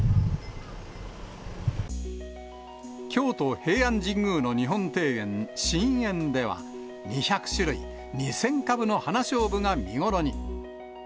京都・平安神宮の日本庭園、神苑では、２００種類２０００株の花しょうぶが見頃に。